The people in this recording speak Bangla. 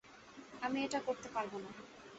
আমি এটা করতে পারবো না।